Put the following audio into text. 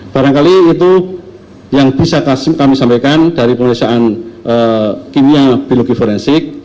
barangkali itu yang bisa kami sampaikan dari pemeriksaan kimia biologi forensik